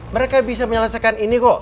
mereka bisa menyelesaikan ini kok